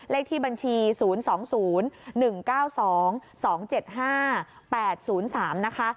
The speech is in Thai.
เลขที่บัญชี๐๒๐๑๙๒๒๗๕๘๐๓นะคะ